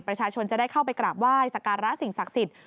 ประชาชนจะได้เข้าไปกราบไหว้สการะสิ่งศักดิ์สิทธิ